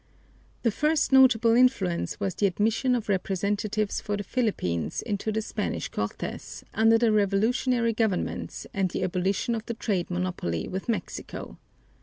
The first notable influence was the admission of representatives for the Philippines into the Spanish Cortes under the revolutionary governments and the abolition of the trade monopoly with Mexico.